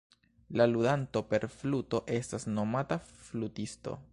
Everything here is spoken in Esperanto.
La ludanto per fluto estas nomata flutisto.